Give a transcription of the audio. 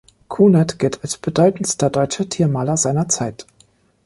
Kuhnert gilt als bedeutendster deutscher Tiermaler seiner Zeit.